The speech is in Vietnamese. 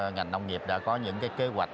ngành nông nghiệp đã có những kế hoạch